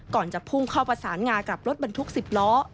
จะพุ่งเข้าประสานงากับรถบรรทุก๑๐ล้อ